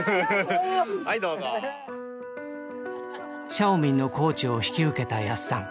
シャオミンのコーチを引き受けたやっさん。